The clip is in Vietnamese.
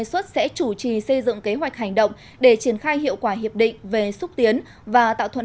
xuất sẽ chủ trì xây dựng kế hoạch hành động để triển khai hiệu quả hiệp định về xúc tiến và tạo thuận